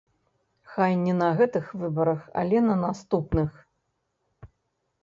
Хай не на гэтых выбарах, але на наступных.